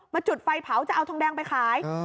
จุดไฟเผาจะเอาทองแดงไปขาย